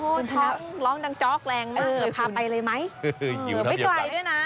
โอ้โหท้องร้องดังจ๊อกแรงมากเลยเออพาไปเลยไหมไม่ไกลด้วยน่ะ